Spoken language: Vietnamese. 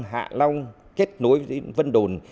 hạ long kết nối vân đồn